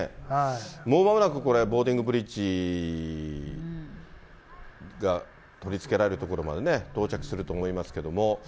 もう間もなく、これ、ボーディングブリッジが取りつけられる所までね、到着すると思いますけども。